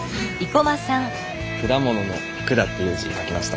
果物の「果」っていう字書きました。